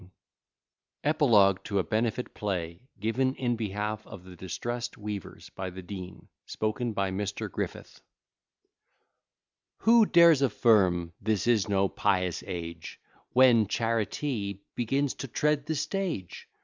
B._] EPILOGUE TO A BENEFIT PLAY, GIVEN IN BEHALF OF THE DISTRESSED WEAVERS. BY THE DEAN. SPOKEN BY MR. GRIFFITH Who dares affirm this is no pious age, When charity begins to tread the stage?